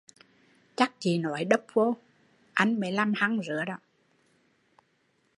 Chắc chị nói đốc vô, anh mới làm hăng rứa